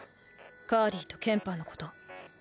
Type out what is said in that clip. カーリーとケンパーのこと。